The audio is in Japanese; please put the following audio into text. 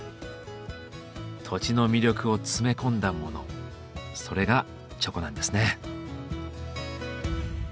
土地の魅力を詰め込んだものそれがチョコなんですね。